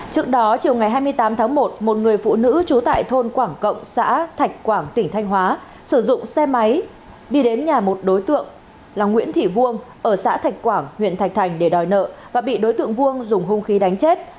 trước đó chiều ngày hai mươi tám tháng một một người phụ nữ trú tại thôn quảng cộng xã thạch quảng tỉnh thanh hóa sử dụng xe máy đi đến nhà một đối tượng là nguyễn thị vuông ở xã thạch quảng huyện thạch thành để đòi nợ và bị đối tượng vuông dùng hung khí đánh chết